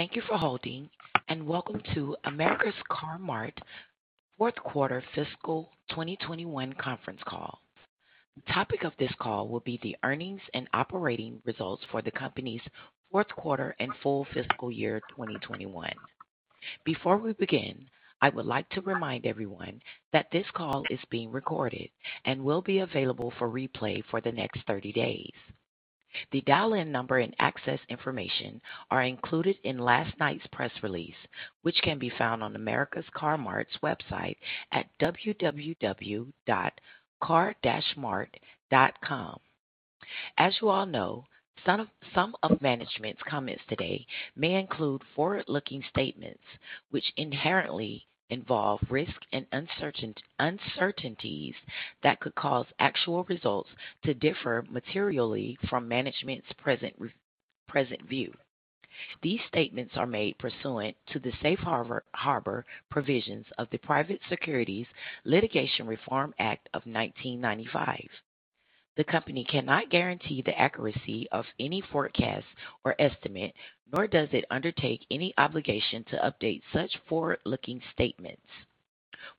Thank you for holding, and welcome to America's Car-Mart fourth quarter fiscal 2021 conference call. The topic of this call will be the earnings and operating results for the company's fourth quarter and full fiscal year 2021. Before we begin, I would like to remind everyone that this call is being recorded and will be available for replay for the next 30 days. The dial-in number and access information are included in last night's press release, which can be found on America's Car-Mart's website at www.car-mart.com. As you all know, some of management's comments today may include forward-looking statements which inherently involve risk and uncertainties that could cause actual results to differ materially from management's present view. These statements are made pursuant to the Safe Harbor provisions of the Private Securities Litigation Reform Act of 1995. The company cannot guarantee the accuracy of any forecast or estimate, nor does it undertake any obligation to update such forward-looking statements.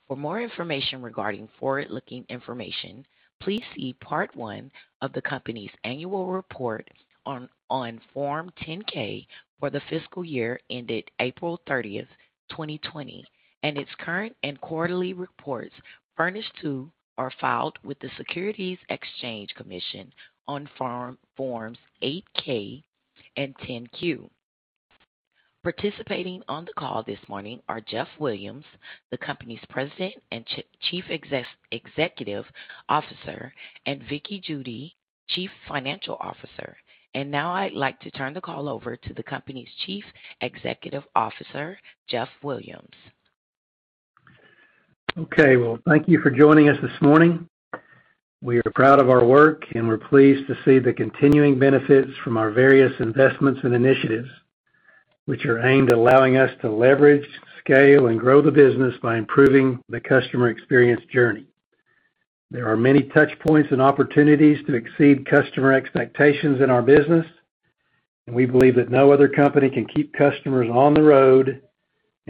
For more information regarding forward-looking information, please see Part one of the company's annual report on Form 10-K for the fiscal year ended April 30th, 2020, and its current and quarterly reports furnished to or filed with the Securities and Exchange Commission on Forms 8-K and 10-Q. Participating on the call this morning are Jeff Williams, the company's President and Chief Executive Officer, and Vickie Judy, Chief Financial Officer. Now I'd like to turn the call over to the company's Chief Executive Officer, Jeff Williams. Okay. Well, thank you for joining us this morning. We are proud of our work, and we're pleased to see the continuing benefits from our various investments and initiatives, which are aimed at allowing us to leverage, scale, and grow the business by improving the customer experience journey. There are many touchpoints and opportunities to exceed customer expectations in our business, and we believe that no other company can keep customers on the road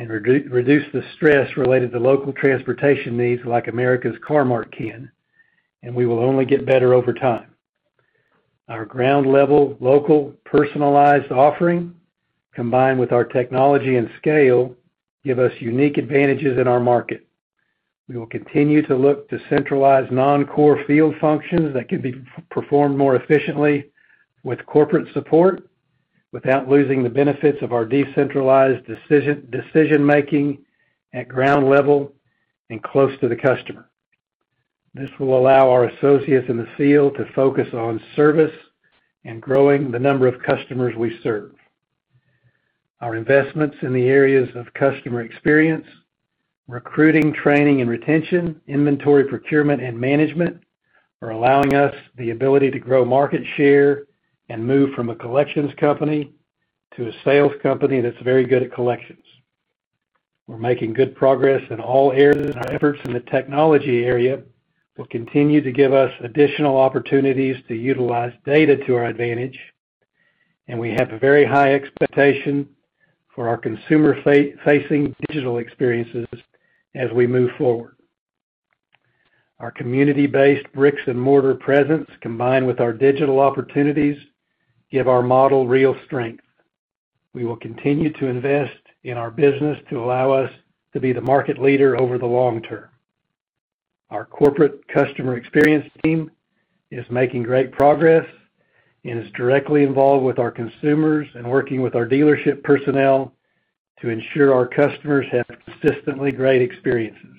and reduce the stress related to local transportation needs like America's Car-Mart can, and we will only get better over time. Our ground-level, local, personalized offering, combined with our technology and scale, give us unique advantages in our market. We will continue to look to centralize non-core field functions that could be performed more efficiently with corporate support without losing the benefits of our decentralized decision-making at ground level and close to the customer. This will allow our associates in the field to focus on service and growing the number of customers we serve. Our investments in the areas of customer experience, recruiting, training, and retention, inventory procurement and management, are allowing us the ability to grow market share and move from a collections company to a sales company that's very good at collections. We're making good progress in all areas, and our efforts in the technology area will continue to give us additional opportunities to utilize data to our advantage, and we have a very high expectation for our consumer-facing digital experiences as we move forward. Our community-based bricks and mortar presence, combined with our digital opportunities, give our model real strength. We will continue to invest in our business to allow us to be the market leader over the long term. Our corporate customer experience team is making great progress and is directly involved with our consumers and working with our dealership personnel to ensure our customers have consistently great experiences.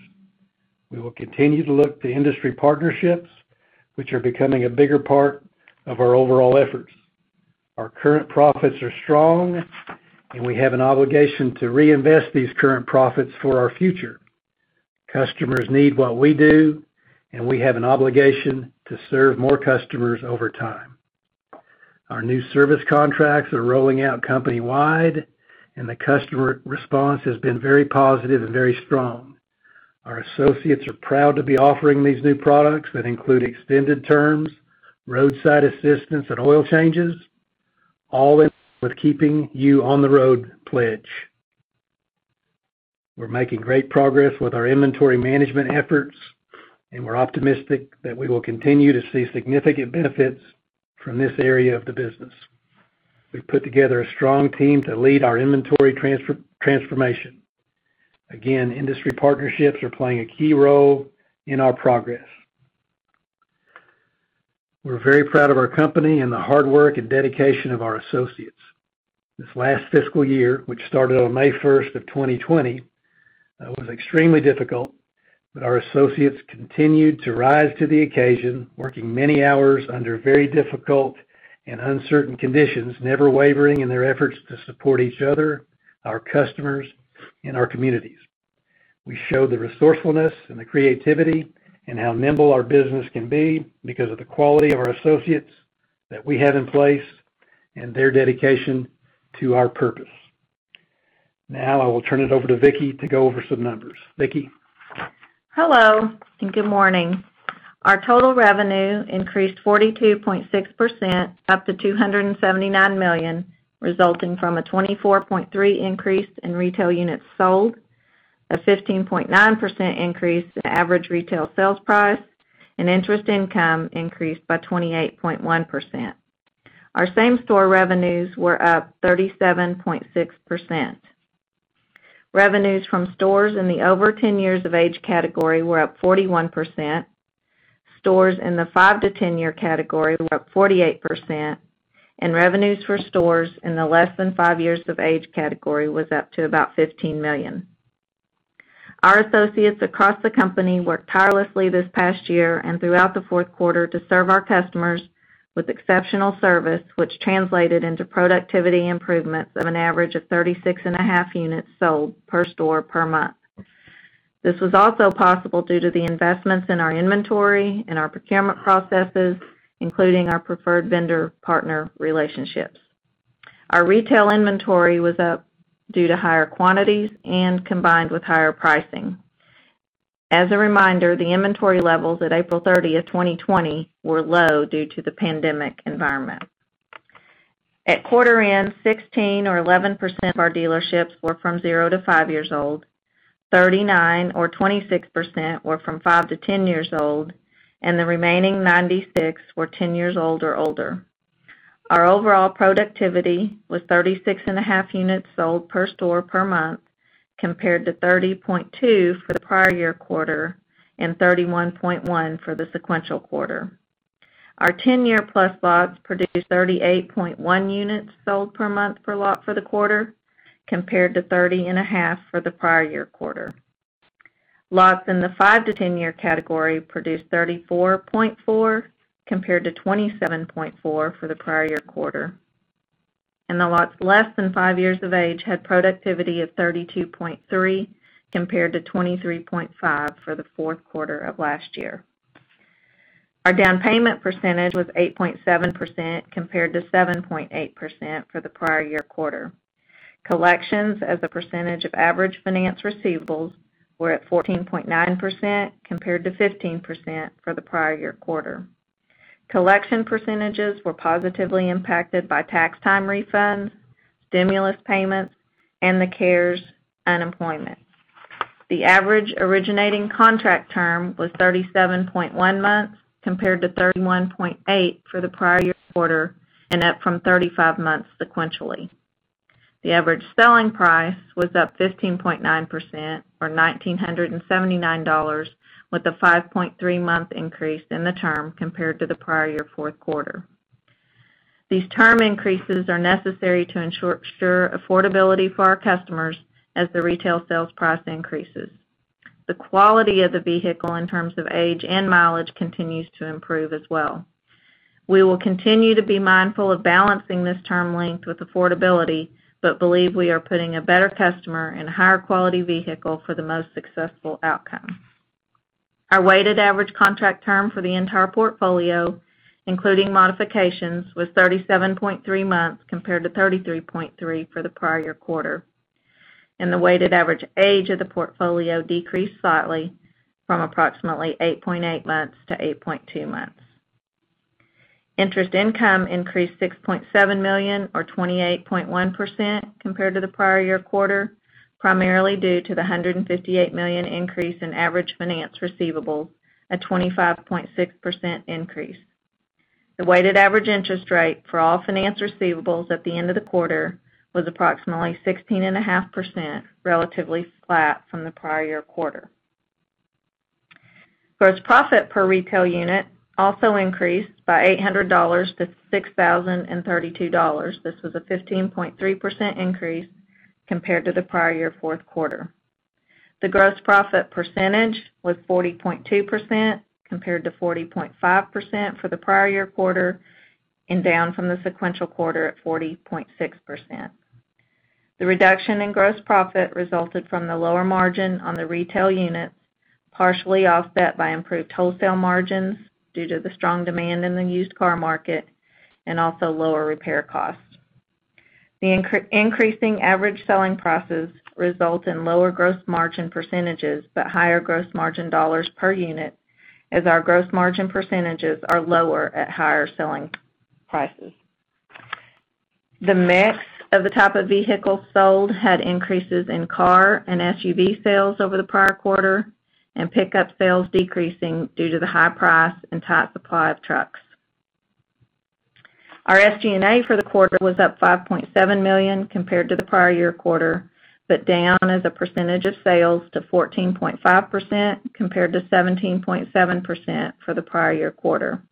We will continue to look to industry partnerships, which are becoming a bigger part of our overall efforts. Our current profits are strong. We have an obligation to reinvest these current profits for our future. Customers need what we do. We have an obligation to serve more customers over time. Our new service contracts are rolling out company-wide. The customer response has been very positive and very strong. Our associates are proud to be offering these new products that include extended terms, roadside assistance, and oil changes, all with Keeping You on the Road pledge. We're making great progress with our inventory management efforts, and we're optimistic that we will continue to see significant benefits from this area of the business. We've put together a strong team to lead our inventory transformation. Again, industry partnerships are playing a key role in our progress. We're very proud of our company and the hard work and dedication of our associates. This last fiscal year, which started on May 1st of 2020, was extremely difficult, but our associates continued to rise to the occasion, working many hours under very difficult and uncertain conditions, never wavering in their efforts to support each other, our customers, and our communities. We showed the resourcefulness and the creativity and how nimble our business can be because of the quality of our associates that we have in place and their dedication to our purpose. I will turn it over to Vickie to go over some numbers. Vickie? Hello, good morning. Our total revenue increased 42.6%, up to $279 million, resulting from a 24.3% increase in retail units sold, a 15.9% increase in average retail sales price, and interest income increased by 28.1%. Our same-store revenues were up 37.6%. Revenues from stores in the over 10 years of age category were up 41%, stores in the 5 to 10-year category were up 48%, and revenues for stores in the less than 5 years of age category was up to about $15 million. Our associates across the company worked tirelessly this past year and throughout the fourth quarter to serve our customers with exceptional service, which translated into productivity improvements of an average of 36.5 units sold per store per month. This was also possible due to the investments in our inventory and our procurement processes, including our preferred vendor partner relationships. Our retail inventory was up due to higher quantities and combined with higher pricing. As a reminder, the inventory levels at April 30th, 2020, were low due to the pandemic environment. At quarter end, 16 or 11% of our dealerships were from zero to five years old, 39 or 26% were from five to 10 years old, and the remaining 96 were 10 years old or older. Our overall productivity was 36.5 units sold per store per month, compared to 30.2 for the prior year quarter and 31.1 for the sequential quarter. Our 10-year-plus lots produced 38.1 units sold per month per lot for the quarter, compared to 30.5 for the prior year quarter. Lots in the five to 10-year category produced 34.4 compared to 27.4 for the prior year quarter. The lots less than five years of age had productivity of 32.3 compared to 23.5 for the fourth quarter of last year. Our down payment percentage was 8.7% compared to 7.8% for the prior year quarter. Collections as a percentage of average finance receivables were at 14.9% compared to 15% for the prior year quarter. Collection percentages were positively impacted by tax time refunds, stimulus payments, and the CARES Act unemployment. The average originating contract term was 37.1 months compared to 31.8 for the prior year quarter and up from 35 months sequentially. The average selling price was up 15.9% or $1,979 with a 5.3-month increase in the term compared to the prior year fourth quarter. These term increases are necessary to ensure affordability for our customers as the retail sales price increases. The quality of the vehicle in terms of age and mileage continues to improve as well. We will continue to be mindful of balancing this term length with affordability, but believe we are putting a better customer in higher quality vehicle for the most successful outcome. Our weighted average contract term for the entire portfolio, including modifications, was 37.3 months compared to 33.3 for the prior quarter, and the weighted average age of the portfolio decreased slightly from approximately 8.8 months to 8.2 months. Interest income increased $6.7 million or 28.1% compared to the prior-year quarter, primarily due to the $158 million increase in average finance receivables at 25.6% increase. The weighted average interest rate for all finance receivables at the end of the quarter was approximately 16.5%, relatively flat from the prior-year quarter. Gross profit per retail unit also increased by $800 to $6,032. This was a 15.3% increase compared to the prior-year fourth quarter. The gross profit percentage was 40.2% compared to 40.5% for the prior year quarter and down from the sequential quarter at 40.6%. The reduction in gross profit resulted from the lower margin on the retail units, partially offset by improved wholesale margins due to the strong demand in the used car market and also lower repair costs. The increasing average selling prices result in lower gross margin percentages, but higher gross margin dollars per unit as our gross margin percentages are lower at higher selling prices. The mix of the type of vehicles sold had increases in car and SUV sales over the prior quarter, and pickup sales decreasing due to the high price and tight supply of trucks. Our SG&A for the quarter was up $5.7 million compared to the prior year quarter, but down as a percentage of sales to 14.5% compared to 17.7% for the prior year quarter.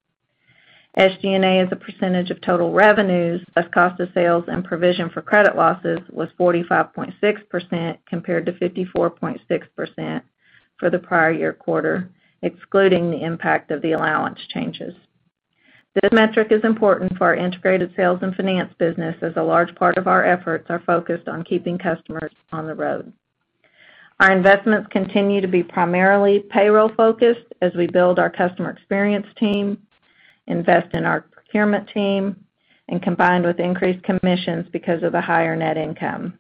SG&A as a percentage of total revenues of cost of sales and provision for credit losses was 45.6% compared to 54.6% for the prior year quarter, excluding the impact of the allowance changes. This metric is important for our integrated sales and finance business as a large part of our efforts are focused on keeping customers on the road. Our investments continue to be primarily payroll-focused as we build our customer experience team, invest in our procurement team, and combined with increased commissions because of the higher net income.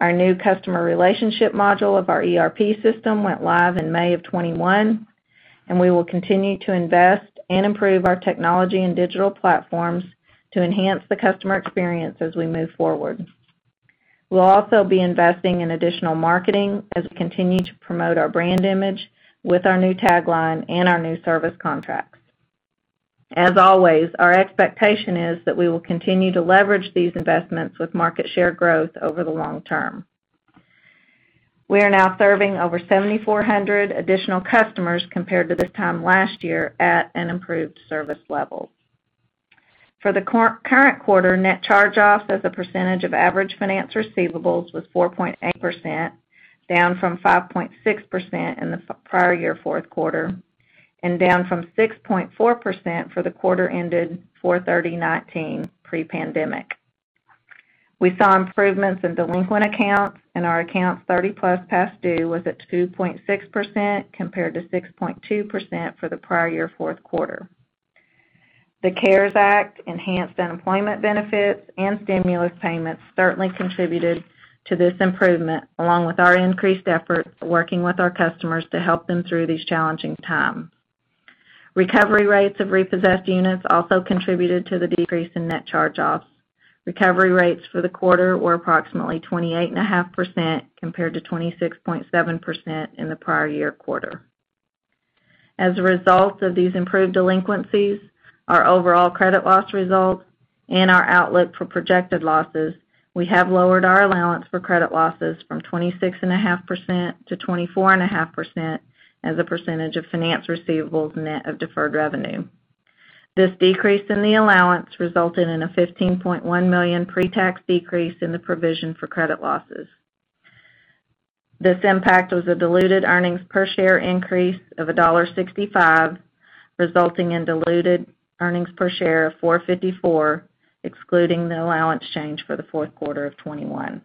Our new customer relationship module of our ERP system went live in May of 2021, and we will continue to invest and improve our technology and digital platforms to enhance the customer experience as we move forward. We'll also be investing in additional marketing as we continue to promote our brand image with our new tagline and our new service contracts. As always, our expectation is that we will continue to leverage these investments with market share growth over the long term. We are now serving over 7,400 additional customers compared to this time last year at an improved service level. For the current quarter, net charge-offs as a percentage of average finance receivables was 4.8%, down from 5.6% in the prior year fourth quarter, and down from 6.4% for the quarter ended 4/30/2019, pre-pandemic. We saw improvements in delinquent accounts, and our accounts 30-plus past due was at 2.6%, compared to 6.2% for the prior year fourth quarter. The CARES Act, enhanced unemployment benefits, and stimulus payments certainly contributed to this improvement, along with our increased efforts of working with our customers to help them through these challenging times. Recovery rates of repossessed units also contributed to the decrease in net charge-offs. Recovery rates for the quarter were approximately 28.5%, compared to 26.7% in the prior year quarter. As a result of these improved delinquencies, our overall credit loss results, and our outlook for projected losses, we have lowered our allowance for credit losses from 26.5% to 24.5% as a percentage of finance receivables net of deferred revenue. This decrease in the allowance resulted in a $15.1 million pre-tax decrease in the provision for credit losses. This impact was a diluted earnings per share increase of $1.65, resulting in diluted earnings per share of $4.54, excluding the allowance change for the fourth quarter of 2021.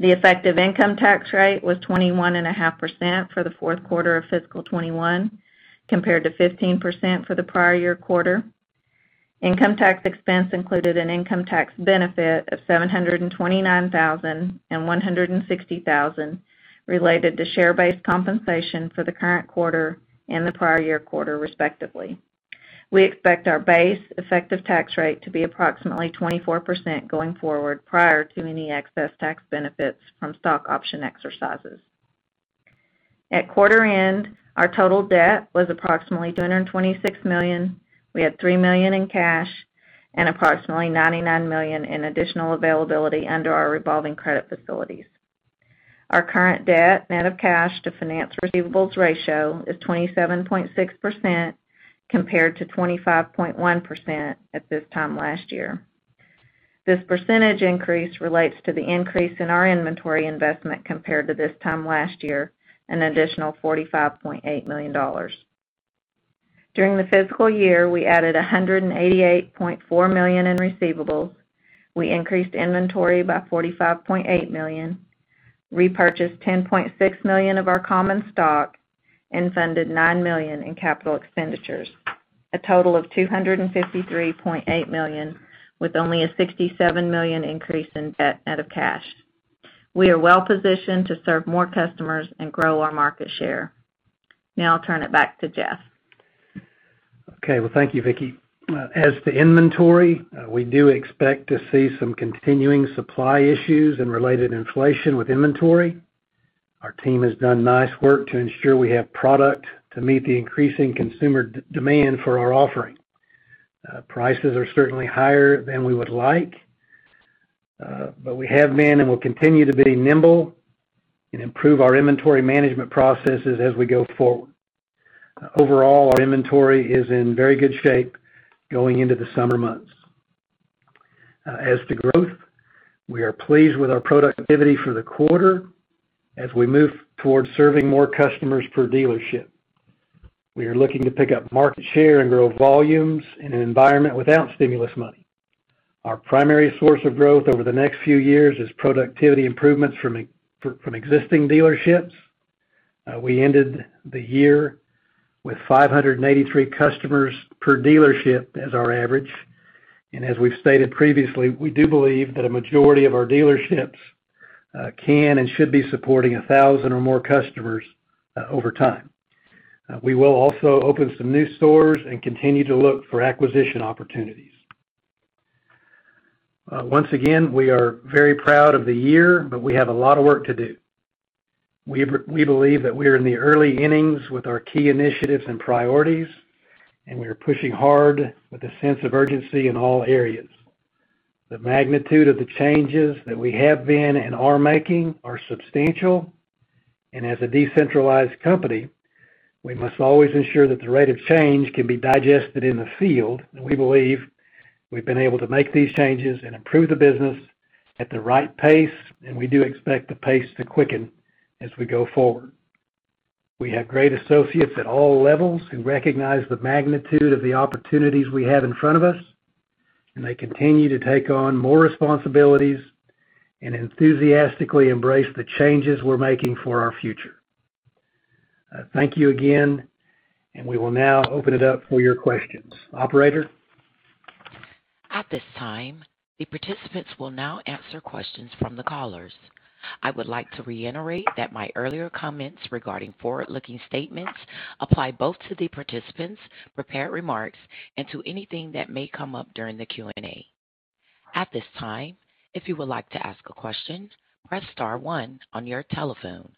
The effective income tax rate was 21.5% for the fourth quarter of fiscal 2021, compared to 15% for the prior year quarter. Income tax expense included an income tax benefit of $729,000 and $160,000 related to share-based compensation for the current quarter and the prior year quarter, respectively. We expect our base effective tax rate to be approximately 24% going forward prior to any excess tax benefits from stock option exercises. At quarter end, our total debt was approximately $726 million. We have $3 million in cash and approximately $99 million in additional availability under our revolving credit facilities. Our current debt net of cash to finance receivables ratio is 27.6%, compared to 25.1% at this time last year. This % increase relates to the increase in our inventory investment compared to this time last year, an additional $45.8 million. During the fiscal year, we added $188.4 million in receivables, we increased inventory by $45.8 million, repurchased $10.6 million of our common stock, and funded $9 million in capital expenditures. A total of $253.8 million, with only a $67 million increase in debt net of cash. We are well-positioned to serve more customers and grow our market share. I'll turn it back to Jeff. Okay. Well, thank you, Vickie. As to inventory, we do expect to see some continuing supply issues and related inflation with inventory. Our team has done nice work to ensure we have product to meet the increasing consumer demand for our offerings. Prices are certainly higher than we would like, but we have been and will continue to be nimble and improve our inventory management processes as we go forward. Overall, our inventory is in very good shape going into the summer months. As to growth, we are pleased with our productivity for the quarter as we move towards serving more customers per dealership. We are looking to pick up market share and grow volumes in an environment without stimulus money. Our primary source of growth over the next few years is productivity improvements from existing dealerships. We ended the year with 583 customers per dealership as our average. As we've stated previously, we do believe that a majority of our dealerships can and should be supporting 1,000 or more customers over time. We will also open some new stores and continue to look for acquisition opportunities. Once again, we are very proud of the year, but we have a lot of work to do. We believe that we are in the early innings with our key initiatives and priorities, and we are pushing hard with a sense of urgency in all areas. The magnitude of the changes that we have been and are making are substantial, and as a decentralized company, we must always ensure that the rate of change can be digested in the field. We believe we've been able to make these changes and improve the business at the right pace, and we do expect the pace to quicken as we go forward. We have great associates at all levels who recognize the magnitude of the opportunities we have in front of us, and they continue to take on more responsibilities and enthusiastically embrace the changes we're making for our future. Thank you again, and we will now open it up for your questions. Operator? At this time, the participants will now answer questions from the callers. I would like to reiterate that my earlier comments regarding forward-looking statements apply both to the participants' prepared remarks and to anything that may come up during the Q&A. At this time if you would like to ask a question press star one on your telephone.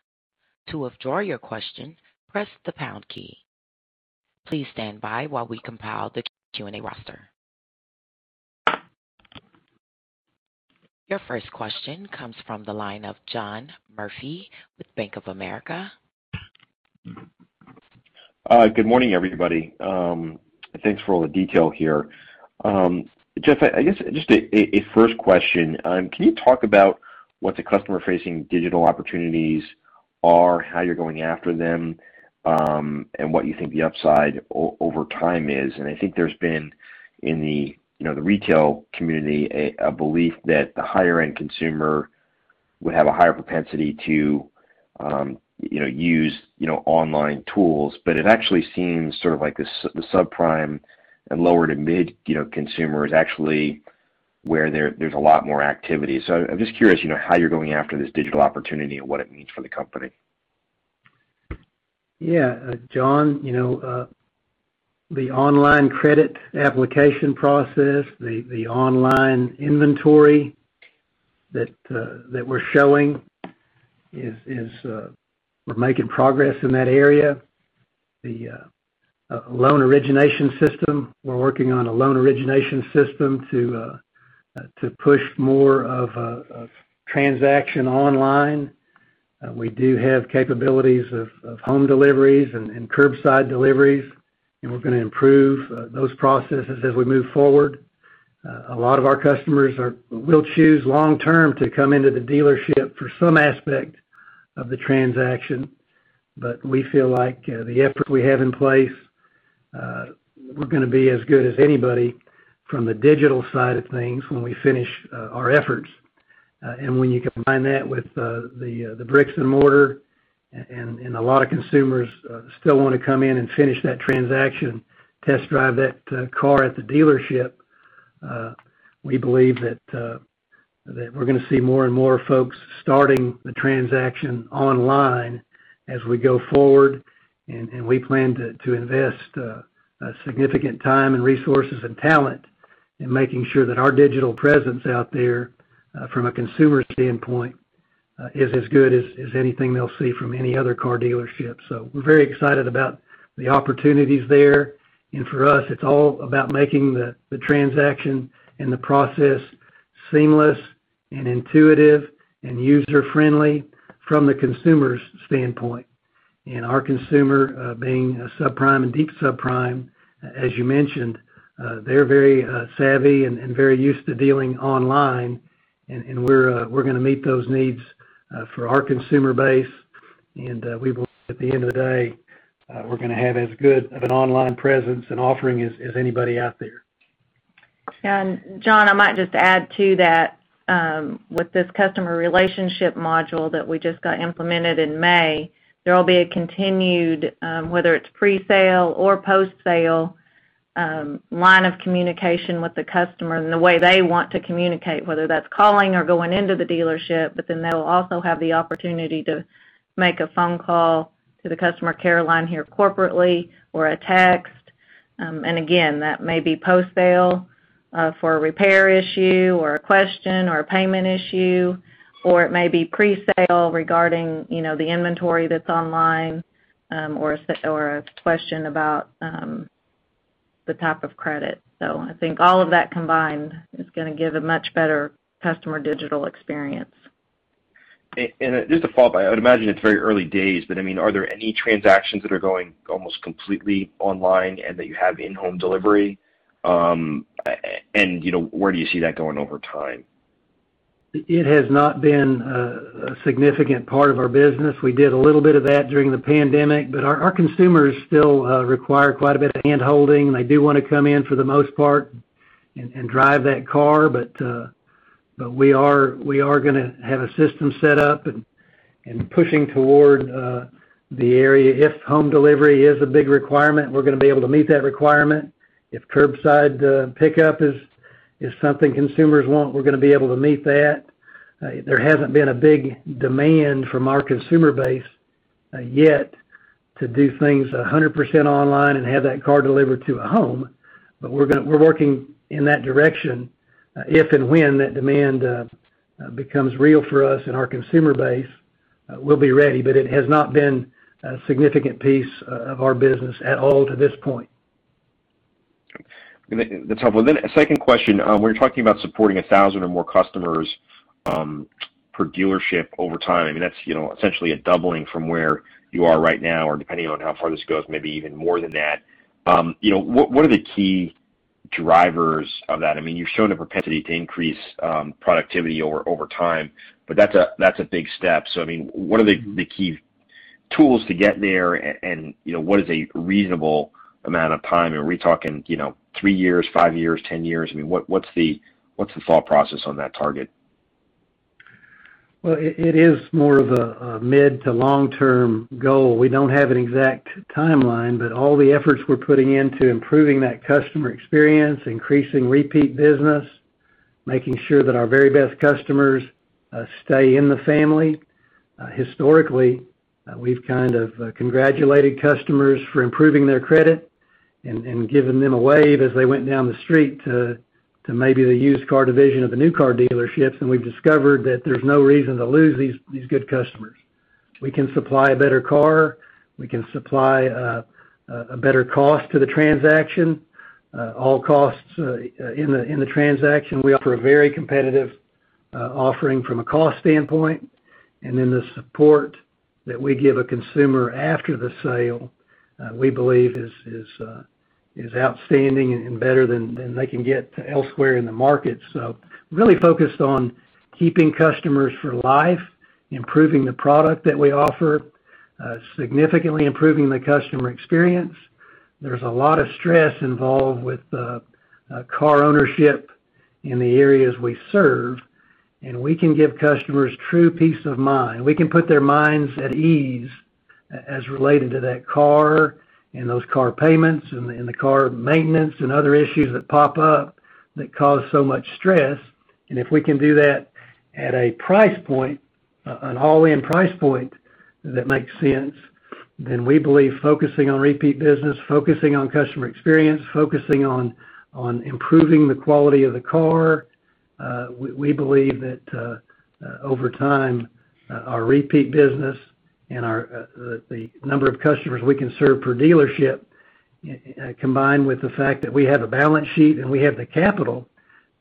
To withdraw your question press the pound key. Please standby while we. [inaudible] Your first question comes from the line of John Murphy with Bank of America. Good morning, everybody. Thanks for all the detail here. Jeff, I guess just a first question. Can you talk about what the customer-facing digital opportunities are, how you're going after them, and what you think the upside over time is? I think there's been, in the retail community, a belief that the higher-end consumer would have a higher propensity to use online tools. It actually seems sort of like the subprime and lower-to-mid consumer is actually where there's a lot more activity. I'm just curious, how you're going after this digital opportunity and what it means for the company. Yeah. John, the online credit application process, the online inventory that we're showing, we're making progress in that area. The loan origination system, we're working on a loan origination system to push more of a transaction online. We do have capabilities of home deliveries and curbside deliveries, and we're going to improve those processes as we move forward. A lot of our customers will choose long-term to come into the dealership for some aspect of the transaction. We feel like the efforts we have in place, we're going to be as good as anybody from the digital side of things when we finish our efforts. When you combine that with the bricks and mortar, and a lot of consumers still want to come in and finish that transaction, test-drive that car at the dealership, we believe that we're going to see more and more folks starting the transaction online as we go forward. We plan to invest significant time and resources, and talent in making sure that our digital presence out there from a consumer standpoint is as good as anything they'll see from any other car dealership. We're very excited about the opportunities there. For us, it's all about making the transaction and the process seamless and intuitive, and user-friendly from the consumer's standpoint. Our consumer being subprime and deep subprime, as you mentioned, they're very savvy and very used to dealing online, and we're going to meet those needs for our consumer base. We believe at the end of the day, we're going to have as good of an online presence and offering as anybody out there. John, I might just add to that, with this customer relationship module that we just got implemented in May, there'll be a continued, whether it's pre-sale or post-sale, line of communication with the customer in the way they want to communicate, whether that's calling or going into the dealership. They'll also have the opportunity to make a phone call to the customer care line here corporately or a text. Again, that may be post-sale for a repair issue or a question or a payment issue, or it may be pre-sale regarding the inventory that's online, or a question about the type of credit. I think all of that combined is going to give a much better customer digital experience. Just a follow-up. I imagine it's very early days, but are there any transactions that are going almost completely online and that you have in-home delivery? Where do you see that going over time? It has not been a significant part of our business. We did a little bit of that during the pandemic, but our consumers still require quite a bit of hand-holding. They do want to come in for the most part and drive that car. We are going to have a system set up and pushing toward the area. If home delivery is a big requirement, we're going to be able to meet that requirement. If curbside pickup is something consumers want, we're going to be able to meet that. There hasn't been a big demand from our consumer base yet to do things 100% online and have that car delivered to a home. We're working in that direction. If and when that demand becomes real for us and our consumer base, we'll be ready. It has not been a significant piece of our business at all to this point. That's helpful. A second question. When you're talking about supporting 1,000 or more customers per dealership over time, that's essentially a doubling from where you are right now, or depending on how far this goes, maybe even more than that. What are the key drivers of that? You've shown a propensity to increase productivity over time, but that's a big step. What are the key tools to get there, and what is a reasonable amount of time? Are we talking three years, five years, 10 years? What's the thought process on that target? Well, it is more of a mid to long-term goal. We don't have an exact timeline, all the efforts we're putting in to improving that customer experience, increasing repeat business, making sure that our very best customers stay in the family. Historically, we've kind of congratulated customers for improving their credit and given them a wave as they went down the street to maybe the used car division of the new car dealerships, we've discovered that there's no reason to lose these good customers. We can supply a better car, we can supply a better cost to the transaction. All costs in the transaction, we offer a very competitive offering from a cost standpoint, the support that we give a consumer after the sale, we believe is outstanding and better than they can get elsewhere in the market. Really focused on keeping customers for life, improving the product that we offer, significantly improving the customer experience. There's a lot of stress involved with car ownership in the areas we serve, and we can give customers true peace of mind. We can put their minds at ease as related to that car and those car payments and the car maintenance and other issues that pop up that cause so much stress. If we can do that at a price point, an all-in price point that makes sense, then we believe focusing on repeat business, focusing on customer experience, focusing on improving the quality of the car, we believe that over time, our repeat business and the number of customers we can serve per dealership, combined with the fact that we have a balance sheet and we have the capital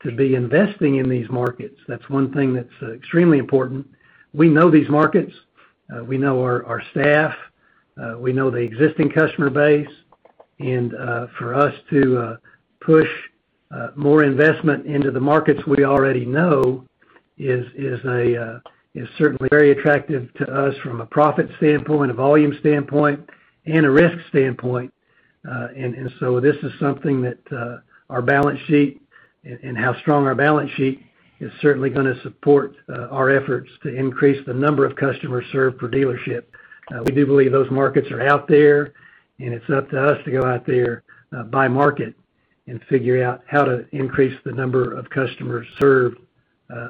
to be investing in these markets. That's one thing that's extremely important. We know these markets. We know our staff. We know the existing customer base. For us to push more investment into the markets we already know is certainly very attractive to us from a profit standpoint, a volume standpoint, and a risk standpoint. This is something that our balance sheet and how strong our balance sheet is certainly going to support our efforts to increase the number of customers served per dealership. We do believe those markets are out there, and it's up to us to go out there by market and figure out how to increase the number of customers served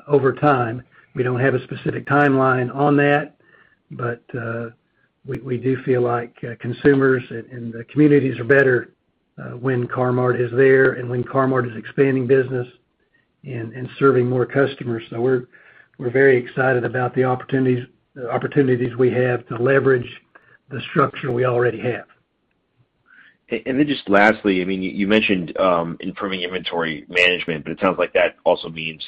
over time. We don't have a specific timeline on that. We do feel like consumers and the communities are better when Car-Mart is there and when Car-Mart is expanding business and serving more customers. We're very excited about the opportunities we have to leverage the structure we already have. Then just lastly, you mentioned improving inventory management, but it sounds like that also means,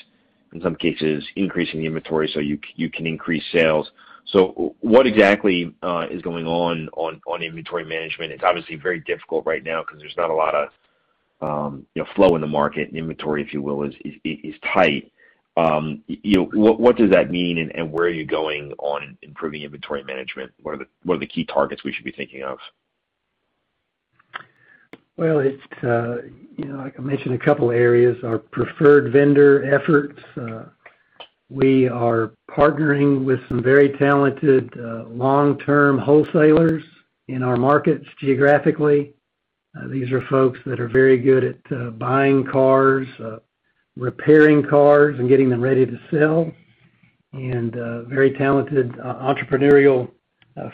in some cases, increasing inventory so you can increase sales. What exactly is going on inventory management? It's obviously very difficult right now because there's not a lot of flow in the market. Inventory, if you will, is tight. What does that mean, and where are you going on improving inventory management? What are the key targets we should be thinking of? Like I mentioned, a couple areas are preferred vendor efforts. We are partnering with some very talented long-term wholesalers in our markets geographically. These are folks that are very good at buying cars, repairing cars, and getting them ready to sell, very talented entrepreneurial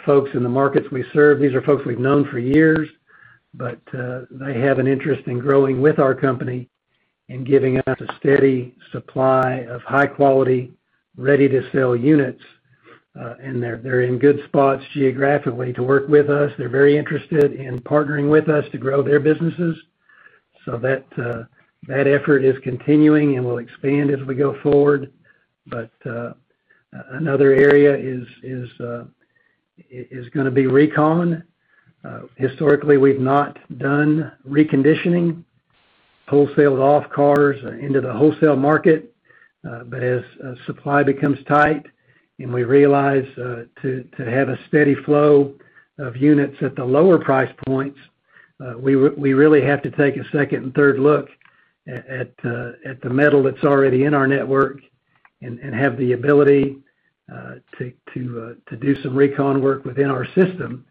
folks in the markets we serve. These are folks we've known for years. They have an interest in growing with our company and giving us a steady supply of high-quality, ready-to-sell units. They're in good spots geographically to work with us. They're very interested in partnering with us to grow their businesses. That effort is continuing, and we'll expand as we go forward. Another area is going to be recon. Historically, we've not done reconditioning, wholesaled off cars into the wholesale market. As supply becomes tight and we realize to have a steady flow of units at the lower price points, we really have to take a second and third look at the metal that's already in our network and have the ability to do some recon work within our system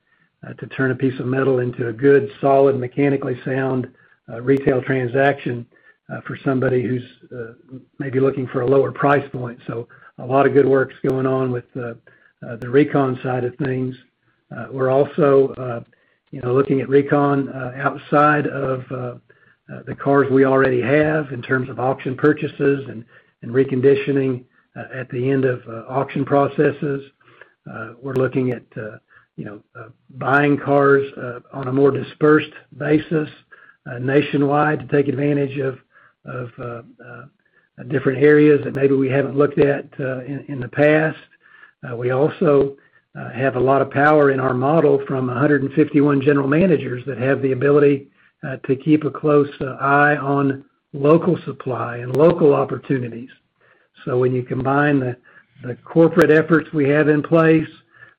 to turn a piece of metal into a good, solid, mechanically sound retail transaction for somebody who's maybe looking for a lower price point. A lot of good work's going on with the recon side of things. We're also looking at recon outside of the cars we already have in terms of auction purchases and reconditioning at the end of auction processes. We're looking at buying cars on a more dispersed basis nationwide to take advantage of different areas that maybe we haven't looked at in the past. We also have a lot of power in our model from 151 General Managers that have the ability to keep a close eye on local supply and local opportunities. When you combine the corporate efforts we have in place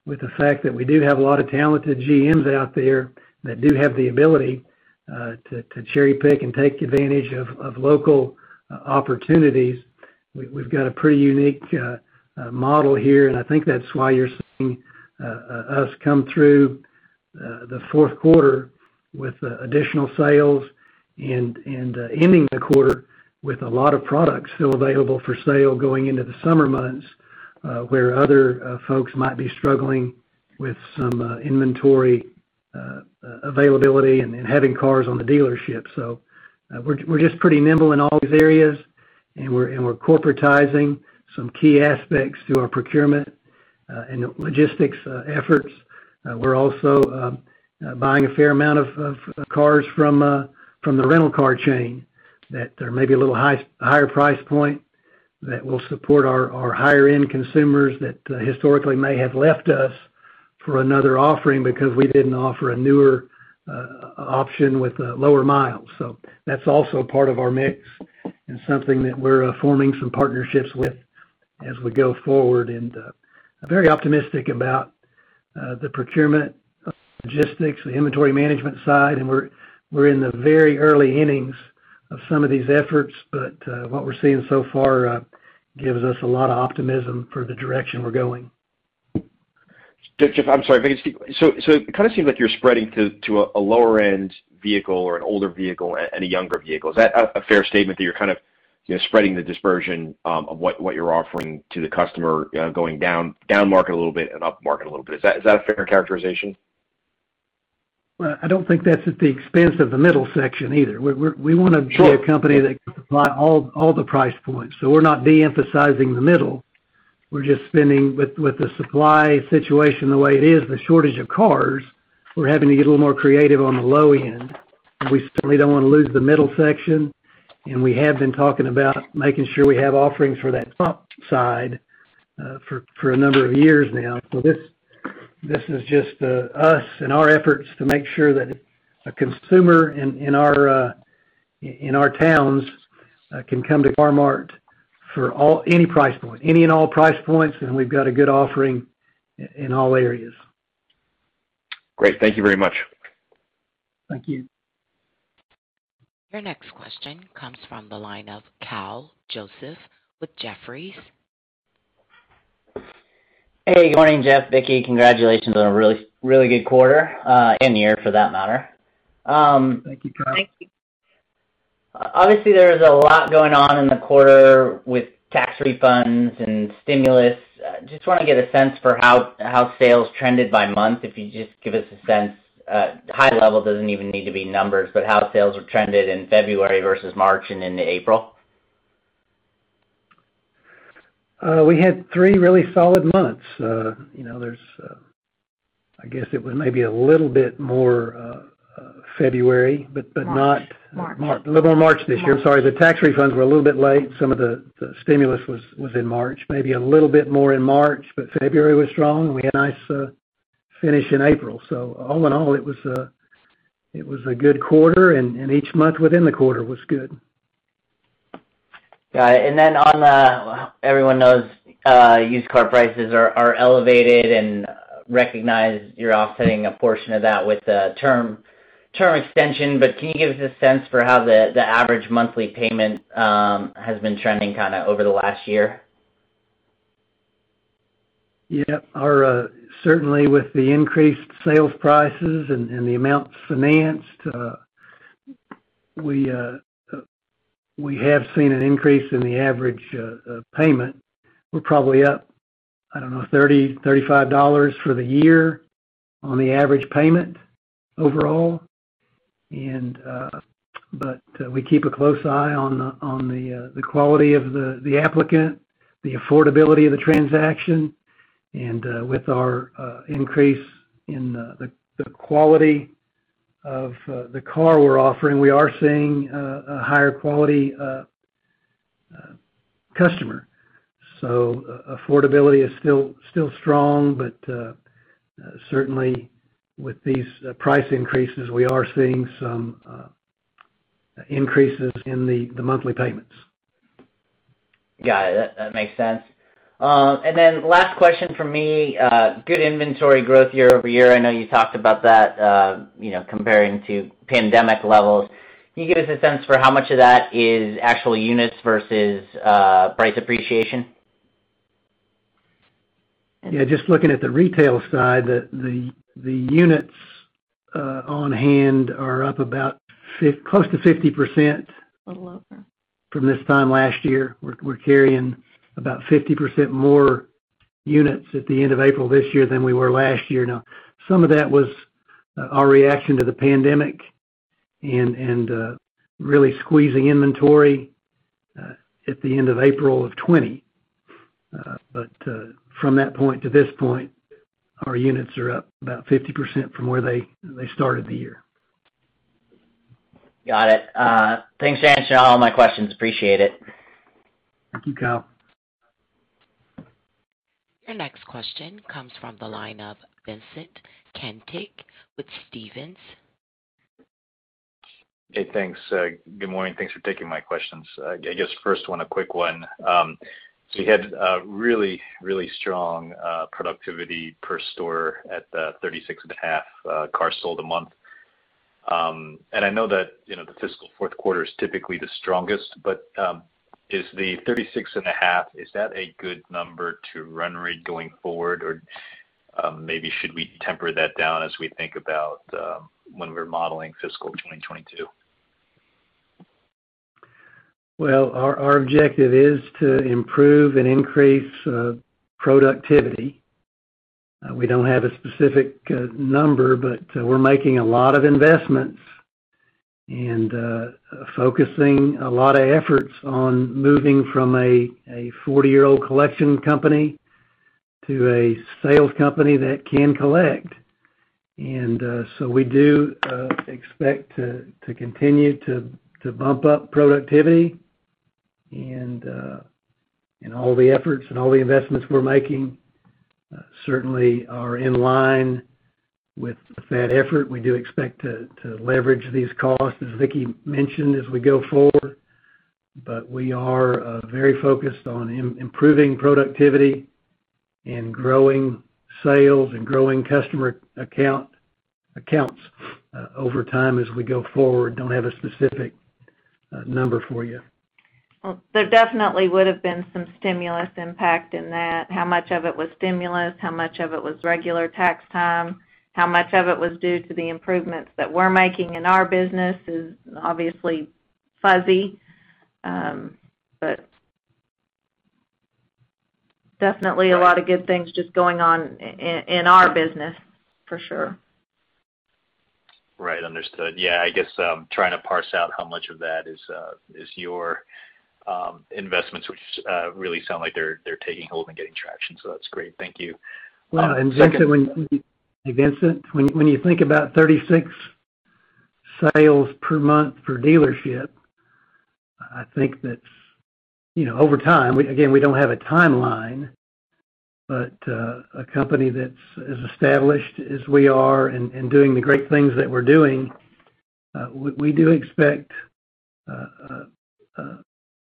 with the fact that we do have a lot of talented GMs out there that do have the ability to cherry-pick and take advantage of local opportunities, we've got a pretty unique model here. I think that's why you're seeing us come through the fourth quarter with additional sales and ending the quarter with a lot of products still available for sale going into the summer months, where other folks might be struggling with some inventory availability and having cars on the dealership. We're just pretty nimble in all those areas, and we're corporatizing some key aspects to our procurement and logistics efforts. We're also buying a fair amount of cars from the rental car chain, that they may be a little higher price point that will support our higher end consumers that historically may have left us for another offering because we didn't offer a newer option with lower miles. That's also part of our mix and something that we're forming some partnerships with as we go forward. Very optimistic about the procurement, logistics, and inventory management side. We're in the very early innings of some of these efforts, but what we're seeing so far gives us a lot of optimism for the direction we're going. Jeff, I'm sorry. It seems like you're spreading to a lower-end vehicle or an older vehicle and a younger vehicle. Is that a fair statement, that you're kind of spreading the dispersion of what you're offering to the customer, going down market a little bit and up market a little bit? Is that a fair characterization? I don't think that's at the expense of the middle section either. We're not de-emphasizing the middle. We're just spending, with the supply situation the way it is, the shortage of cars, we're having to get a little more creative on the low end. We don't want to lose the middle section, and we have been talking about making sure we have offerings for that top side for a number of years now. This is just us and our efforts to make sure that a consumer in our towns can come to Car-Mart in any and all price points, and we've got a good offering in all areas. Great. Thank you very much. Thank you. Your next question comes from the line of Kyle Joseph with Jefferies. Hey, good morning, Jeff, Vickie. Congratulations on a really good quarter, and year for that matter. Thank you, Kyle. Obviously, there's a lot going on in the quarter with tax refunds and stimulus. Just want to get a sense for how sales trended by month. If you just give us a sense, high level, doesn't even need to be numbers, but how sales have trended in February versus March and into April. We had three really solid months. I guess it was maybe a little bit more February, but not. March. A little more March this year. I'm sorry. The tax refunds were a little bit late. Some of the stimulus was in March, maybe a little bit more in March. February was strong, and we had a nice finish in April. All in all, it was a good quarter, and each month within the quarter was good. Got it. Everyone knows used car prices are elevated and recognize you're offsetting a portion of that with term extension. Can you give us a sense for how the average monthly payment has been trending over the last year? Certainly, with the increased sales prices and the amount financed, we have seen an increase in the average payment. We're probably up, I don't know, $30, $35 for the year on the average payment overall. We keep a close eye on the quality of the applicant, the affordability of the transaction, and with our increase in the quality of the car we're offering, we are seeing a higher quality customer. Affordability is still strong, but certainly with these price increases, we are seeing some increases in the monthly payments. Yeah, that makes sense. Last question from me. Good inventory growth year-over-year. I know you talked about that, comparing to pandemic levels. Can you give us a sense for how much of that is actual units versus price appreciation? Yeah, just looking at the retail side, the units on hand are up about close to 50% from this time last year. We're carrying about 50% more units at the end of April this year than we were last year. Some of that was our reaction to the pandemic and really squeezing inventory at the end of April of 2020. From that point to this point, our units are up about 50% from where they started the year. Got it. Thanks, Jeff, for all my questions. Appreciate it. Thank you. Your next question comes from the line of Vincent Caintic with Stephens. Hey, thanks. Good morning. Thanks for taking my questions. I guess first one, a quick one. You had really strong productivity per store at the 36.5 cars sold a month. I know that the fiscal fourth quarter is typically the strongest, but is the 36.5, is that a good number to run rate going forward? Maybe should we temper that down as we think about when we're modeling fiscal 2022? Well, our objective is to improve and increase productivity. We don't have a specific number, but we're making a lot of investments and focusing a lot of efforts on moving from a 40-year-old collection company to a sales company that can collect. We do expect to continue to bump up productivity and all the efforts and all the investments we're making certainly are in line with that effort. We do expect to leverage these costs, as Vickie mentioned, as we go forward. We are very focused on improving productivity and growing sales and growing customer accounts over time as we go forward. Don't have a specific number for you. Well, there definitely would've been some stimulus impact in that. How much of it was stimulus, how much of it was regular tax time, how much of it was due to the improvements that we're making in our business is obviously fuzzy. Definitely a lot of good things just going on in our business for sure. Right. Understood. Yeah, I guess I'm trying to parse out how much of that is your investments, which really sound like they're taking hold and getting traction, so that's great. Thank you. Well, Vincent, when you think about 36 sales per month per dealership, I think that over time, again, we don't have a timeline, but a company that's as established as we are and doing the great things that we're doing, we do expect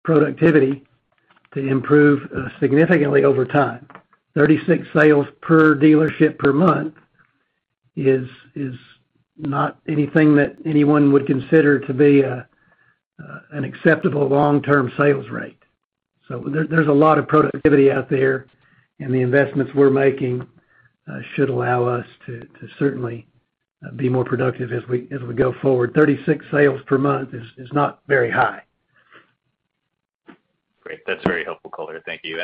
productivity to improve significantly over time. 36 sales per dealership per month is not anything that anyone would consider to be an acceptable long-term sales rate. There's a lot of productivity out there, and the investments we're making should allow us to certainly be more productive as we go forward. 36 sales per month is not very high. Great. That's very helpful color. Thank you.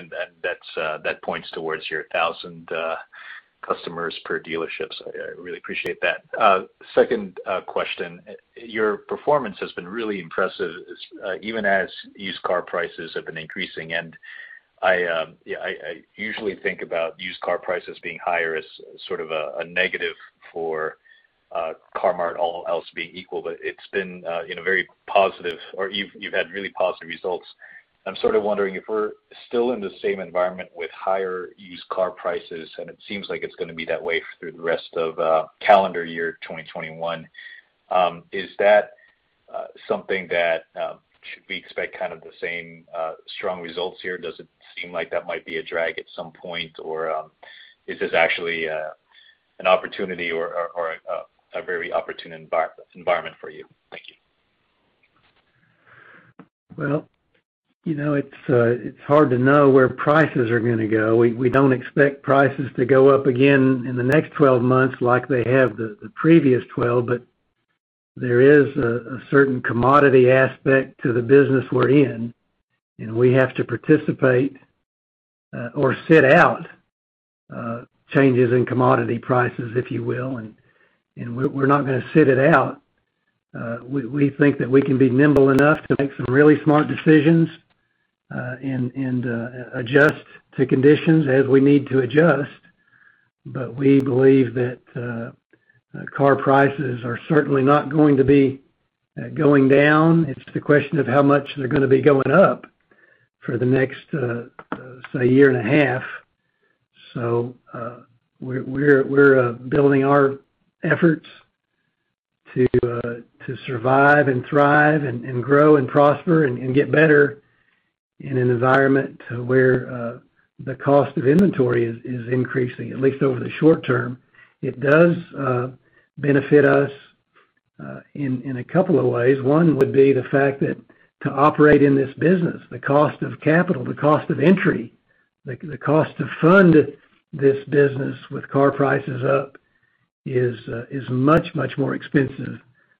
That points towards your 1,000 customers per dealership, so I really appreciate that. Second question, your performance has been really impressive, even as used car prices have been increasing. I usually think about used car prices being higher as sort of a negative for Car-Mart all else being equal. It's been very positive or you've had really positive results. I'm sort of wondering if we're still in the same environment with higher used car prices, and it seems like it's going to be that way through the rest of calendar year 2021. Is that something that should we expect kind of the same strong results here? Does it seem like that might be a drag at some point, or is this actually an opportunity or a very opportune environment for you? Thank you. Well, it's hard to know where prices are going to go. We don't expect prices to go up again in the next 12 months like they have the previous 12, but there is a certain commodity aspect to the business we're in, and we have to participate or sit out changes in commodity prices, if you will. We're not going to sit it out. We think that we can be nimble enough to make some really smart decisions and adjust to conditions as we need to adjust. We believe that car prices are certainly not going to be going down. It's the question of how much they're going to be going up for the next, say, year and a half. We're building our efforts to survive and thrive and grow and prosper and get better in an environment where the cost of inventory is increasing, at least over the short term. It does benefit us in a couple of ways. One would be the fact that to operate in this business, the cost of capital, the cost of entry, the cost to fund this business with car prices up is much more expensive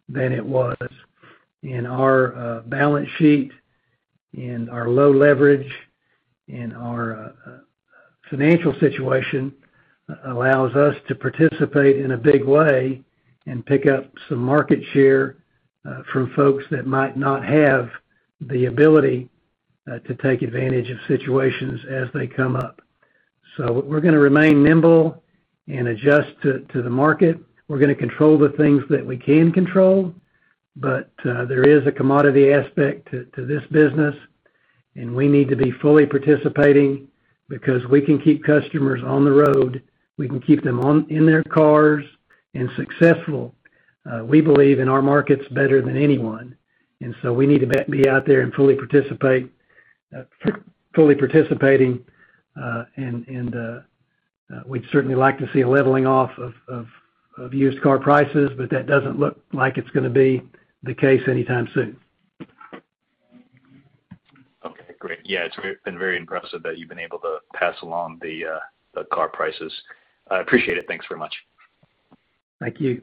than it was. Our balance sheet and our low leverage and our financial situation allows us to participate in a big way and pick up some market share from folks that might not have the ability to take advantage of situations as they come up. We're going to remain nimble and adjust to the market. We're going to control the things that we can control. There is a commodity aspect to this business, and we need to be fully participating because we can keep customers on the road. We can keep them in their cars and successful. We believe in our markets better than anyone. We need to be out there and fully participating. We'd certainly like to see a leveling off of used car prices, but that doesn't look like it's going to be the case anytime soon. Okay, great. It's been very impressive that you've been able to pass along the car prices. I appreciate it. Thanks very much. Thank you.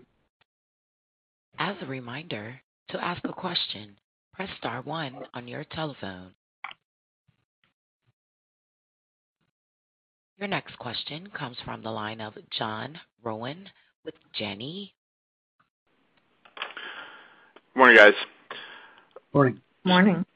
As a reminder, to ask a question, press star one on your telephone. Your next question comes from the line of John Rowan with Janney. Morning, guys. Morning. Morning.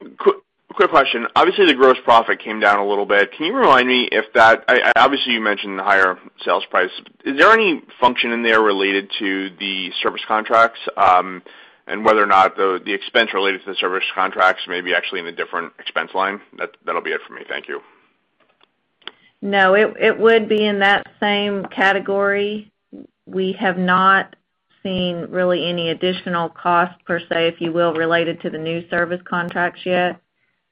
Quick question. Obviously, the gross profit came down a little bit. Can you remind me if that, obviously, you mentioned the higher sales price. Is there any function in there related to the service contracts, and whether or not the expense related to the service contracts may be actually in a different expense line? That'll be it for me. Thank you. It would be in that same category. We have not seen really any additional cost per se, if you will, related to the new service contracts yet.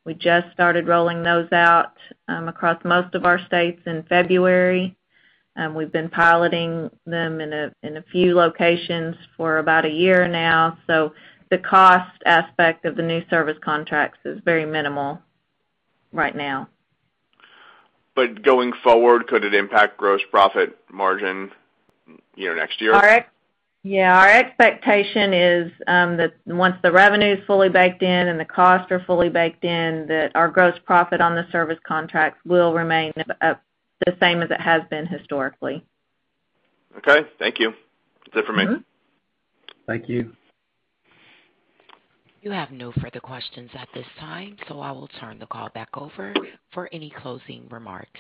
We just started rolling those out across most of our states in February. We've been piloting them in a few locations for about a year now. The cost aspect of the new service contracts is very minimal right now. Going forward, could it impact gross profit margin next year? Yeah, our expectation is that once the revenue's fully baked in and the costs are fully baked in, that our gross profit on the service contracts will remain the same as it has been historically. Okay, thank you. That's it for me. Thank you. You have no further questions at this time, so I will turn the call back over for any closing remarks.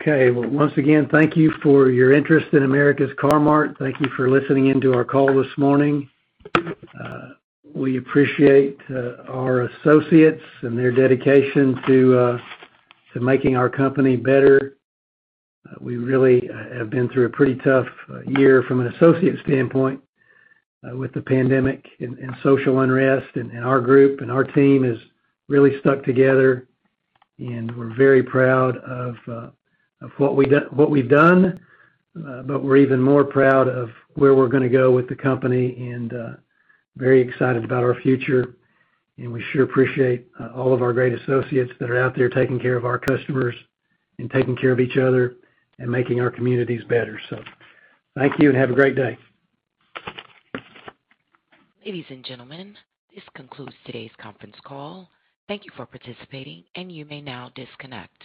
Okay. Well, once again, thank you for your interest in America's Car-Mart. Thank you for listening in to our call this morning. We appreciate our associates and their dedication to making our company better. We really have been through a pretty tough year from an associate standpoint with the pandemic and social unrest. Our group and our team has really stuck together. We're very proud of what we've done. We're even more proud of where we're going to go with the company. Very excited about our future. We sure appreciate all of our great associates that are out there taking care of our customers and taking care of each other and making our communities better. Thank you. Have a great day. Ladies and gentlemen, this concludes today's conference call. Thank you for participating, and you may now disconnect.